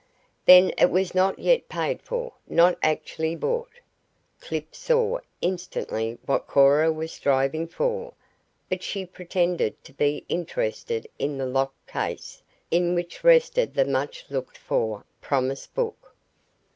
Then it was not yet paid for not actually bought. Clip saw instantly what Cora was striving for, but she pretended to be interested in the locked case in which rested the much looked for promise book.